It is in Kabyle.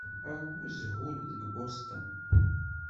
Ṛwu zzhu deg Boston.